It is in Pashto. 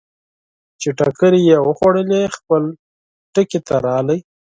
چې ټکرې یې وخوړلې، خپل ټکي ته راغی.